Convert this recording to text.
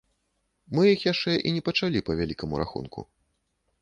Мы іх яшчэ і не пачалі, па вялікаму рахунку!